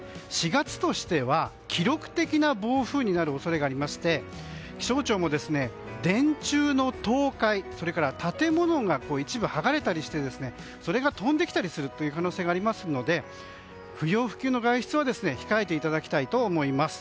４月としては記録的な暴風になる恐れがありまして気象庁も電柱の倒壊、それから建物が一部剥がれたりしてそれが飛んできたりする可能性がありますので不要不急の外出は控えていただきたいと思います。